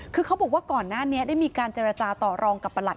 เค้าบอกว่าก่อนหน้านี้ได้มีการจราจาต่อรองกับปฎิษฐ์